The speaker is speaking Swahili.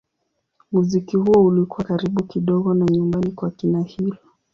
Muziki huo ulikuwa karibu kidogo na nyumbani kwa kina Hill.